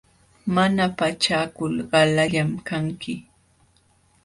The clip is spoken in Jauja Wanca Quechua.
Mana pachakul qalallam kanki.